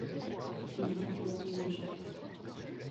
Il n'est pas vendue au Japon.